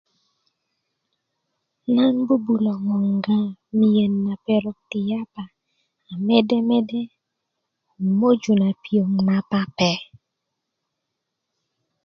nan bubulo ŋonga miyen na perok ti yapa a mede mede i möju na piöŋ na pape